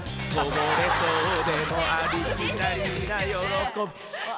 零れそうでもありきたりな喜び